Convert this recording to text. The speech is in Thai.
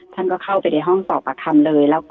ท่านก็เข้าไปในห้องสอบปากคำเลย